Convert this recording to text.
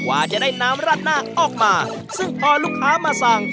ว่าจะได้น้ำราดหน้าออกมาซึ่งพอลูกค้ามาสั่ง